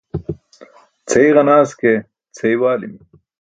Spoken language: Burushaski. Cʰeey ġanaas ke cʰeey waalimi.